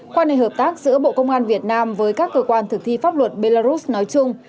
quan hệ hợp tác giữa bộ công an việt nam với các cơ quan thực thi pháp luật belarus nói chung